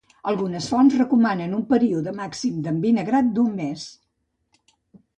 Algunes fonts recomanen un període màxim d'envinagrat d'un mes.